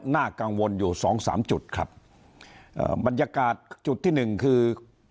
น่ากังวลอยู่สองสามจุดครับเอ่อบรรยากาศจุดที่หนึ่งคือ